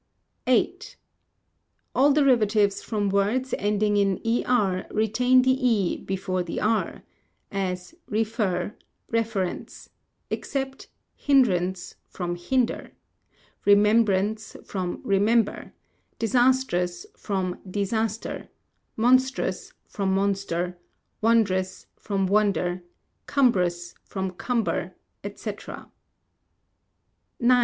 viii. All derivatives from words ending in er retain the e before the r; as, refer, reference; except hindrance, from hinder; remembrance from remember; disastrous from disaster; monstrous from monster; wondrous from wonder; cumbrous from cumber, &c. ix.